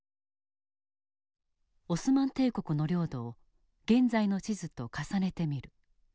オスマン帝国の領土を現在の地図と重ねてみる。